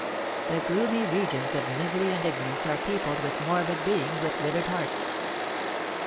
The gloomy regions of misery and ignorance are peopled with morbid beings with withered hearts.